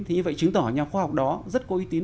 thì như vậy chứng tỏ nhà khoa học đó rất có uy tín